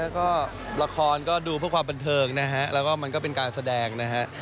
แล้วก็ละครก็ดูเพื่อความบันเทิงนะฮะแล้วก็มันก็เป็นการแสดงนะฮะ